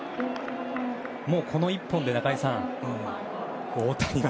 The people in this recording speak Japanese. もう、この一本で中居さん、大谷が。